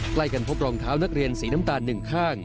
ใกล้กันพบรองเท้านักเรียนสีน้ำตาลหนึ่งข้าง